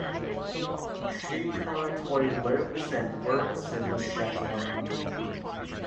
She currently lives and works in Shetland.